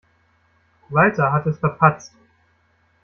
Walter hat es verpatzt.